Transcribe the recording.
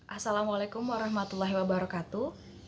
assalamualaikum warahmatullahi wabarakatuh